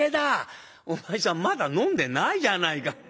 「お前さんまだ飲んでないじゃないか」。